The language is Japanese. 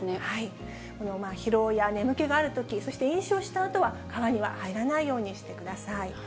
疲労や眠気があるとき、そして飲酒をしたあとは、川には入らないようにしてください。